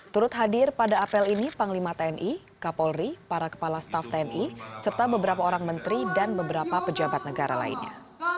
turut hadir pada apel ini panglima tni kapolri para kepala staff tni serta beberapa orang menteri dan beberapa pejabat negara lainnya